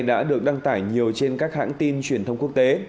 đã được đăng tải nhiều trên các hãng tin truyền thông quốc tế